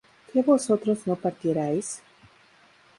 ¿que vosotros no partierais?